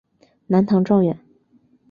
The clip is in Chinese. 南唐状元。